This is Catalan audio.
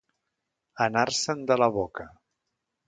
Anar-se'n de la boca.